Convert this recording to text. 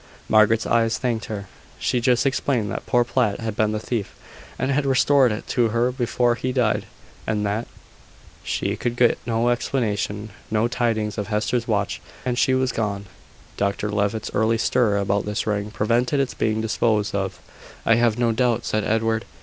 Margaret's eyes thanked her. She just explained that poor Platt had been the thief, and had restored it to her before he died, and that she could get no explanation, no tidings of Hester's watch; and she was gone. "Dr Levitt's early stir about this ring prevented its being disposed of, I have no doubt," said Edward.